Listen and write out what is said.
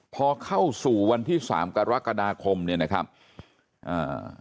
พอเข้าสู่วันที่สามกรกฎาคมเนี่ยนะครับอ่า